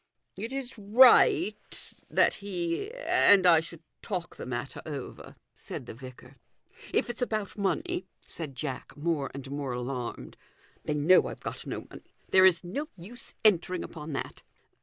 "It is right that he and I should talk the matter over," said the vicar. " If it's about money," said Jack, more and more alarmed, "they know I've got no money; there is no use entering upon that."